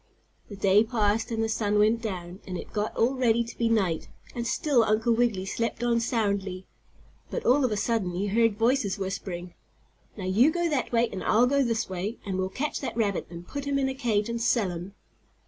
The day passed, and the sun went down, and it got all ready to be night, and still Uncle Wiggily slept on soundly. But all of a sudden he heard voices whispering: "Now you go that way and I'll go this way, and we'll catch that rabbit and put him in a cage and sell him!"